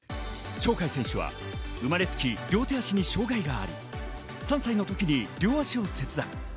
鳥海選手は生まれつき両手足に障がいがあり、３歳の時に両足を切断。